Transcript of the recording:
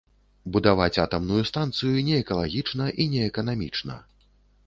Будаваць атамную станцыю неэкалагічна і неэканамічна.